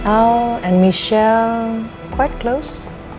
al dan michelle cukup dekat